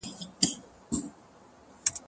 کېدای سي مکتب بند وي؟